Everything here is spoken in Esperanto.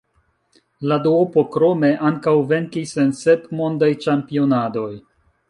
La duopo krome ankaŭ venkis en sep Mondaj Ĉampionadoj.